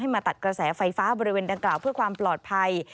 มาตัดกระแสไฟฟ้าบริเวณดังกล่าวเพื่อความปลอดภัย